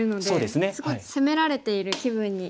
すごい攻められている気分に。